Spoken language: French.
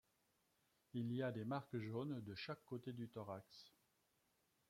Il y a des marques jaunes de chaque côté du thorax.